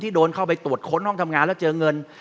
โดนเข้าไปตรวจค้นห้องทำงานแล้วเจอเงิน